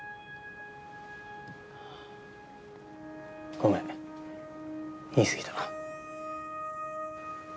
ごめん言い過ぎた。